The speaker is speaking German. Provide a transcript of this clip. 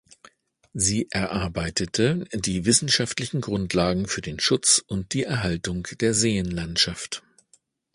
Sie erarbeitete die wissenschaftlichen Grundlagen für den Schutz und die Erhaltung der Seenlandschaft.